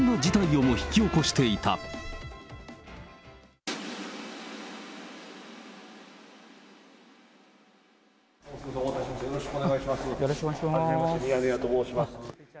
よろしくお願いします。